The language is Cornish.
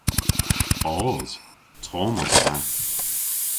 Os. Tomm os ta.